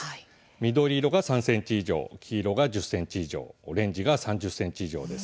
緑色が３ｃｍ以上黄色が１０ｃｍ以上オレンジが３０ｃｍ以上です。